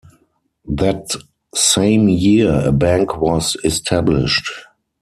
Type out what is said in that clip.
That same year, a bank was established.